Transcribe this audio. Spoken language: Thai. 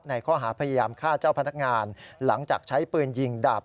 ข้อหาพยายามฆ่าเจ้าพนักงานหลังจากใช้ปืนยิงดาบ